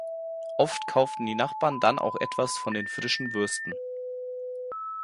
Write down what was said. Oft kauften die Nachbarn dann auch etwas von den frischen Würsten.